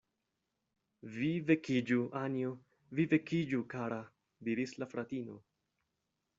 "Vi vekiĝu, Anjo, vi vekiĝu, kara," diris la fratino.